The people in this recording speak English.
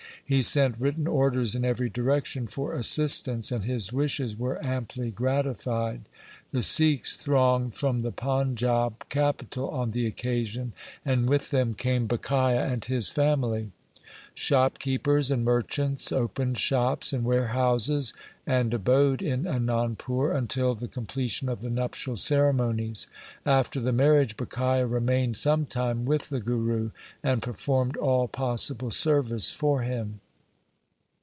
He sent written orders in every direction for assistance, and his wishes were amply gratified. The Sikhs thronged from the Panjab capital on the occasion, and with them came Bhikhia and his family. Shopkeepers and merchants opened shops and warehouses, and abode in Anandpur until the LIFE OF GURU GOBIND SINGH 3 completion of the nuptial ceremonies. After the marriage Bhikhia remained sometime with the Guru and performed all possible service for him.